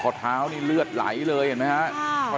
เท้านี่เลือดไหลเลยเห็นไหมครับ